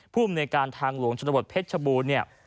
ผู้อำนวยการทางหลวงชนบทเพชรบูล